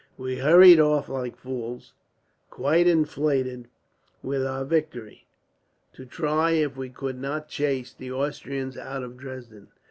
"We hurried off like fools, quite inflated with our victory, to try if we could not chase the Austrians out of Dresden.